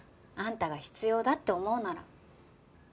あんたが必要だって思うなら。